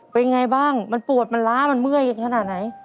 เป็นไงบ้างมันปวดมันล้ามันเมื่อยขนาดไหน